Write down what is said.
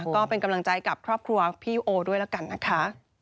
ก็เป็นกำลังใจกับครอบครัวพี่โอด้วยแล้วกันนะคะ